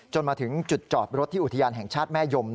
มาถึงจุดจอบรถที่อุทยานแห่งชาติแม่ยม